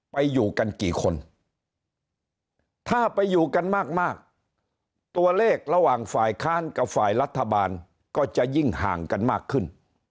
อยู่กันกี่คนถ้าไปอยู่กันมากตัวเลขระหว่างฝ่ายค้านกับฝ่ายรัฐบาลก็จะยิ่งห่างกันมากขึ้น